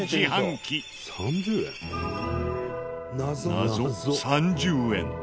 謎３０円。